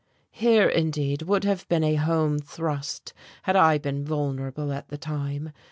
Here indeed would have been a home thrust, had I been vulnerable at the time.